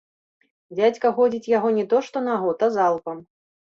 Дзядзька годзіць яго не то што на год, а залпам.